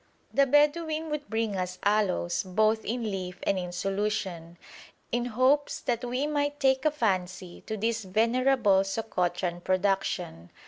The Bedouin would bring us aloes both in leaf and in solution, in hopes that we might take a fancy to this venerable Sokotran production.